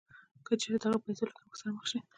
که چېرې هغه د پیسو له کمښت سره مخ شي